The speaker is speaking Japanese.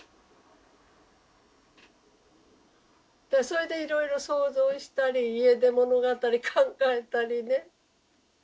それでいろいろ想像したり家出物語考えたりね。